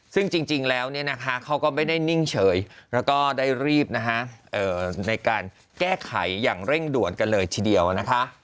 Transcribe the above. ซึ่งจริงแล้วเนี่ยนะคะเขาก็ไม่ได้นิ่งเฉยแล้วก็ได้รีบในการแก้ไขอย่างเร่งด่วนกันเลยทีเดียวนะคะ